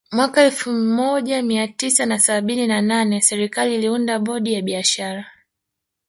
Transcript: Mwaka elfu moja mia tisa na sabini na nane serikali iliunda bodi ya biashara